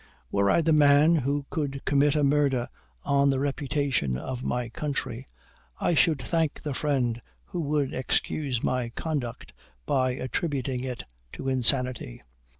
Were I the man who could commit a murder on the reputation of my country, I should thank the friend who would excuse my conduct by attributing it to insanity.